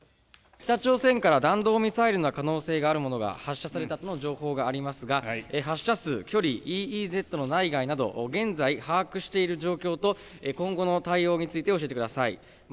北朝鮮から弾道ミサイルの可能性があるものが発射されたとの情報がありますが発射数、距離、ＥＥＺの内外など現在、把握している状況と今後の対応について教えてください。